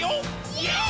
イエーイ！！